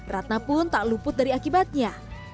ratna pun tak luput dari akibatnya